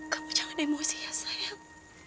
kamu jangan emosi ya sayang